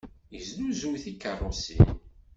Yesnuzuy tikeṛṛusin.